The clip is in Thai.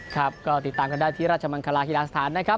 ครับก็ติดตามกันได้ที่ราชมังคลาฮิลาสถานนะครับ